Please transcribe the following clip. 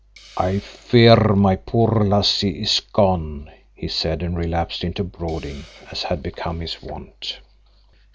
"I fear my poor lassie is gone," he said, and relapsed into brooding as had become his wont.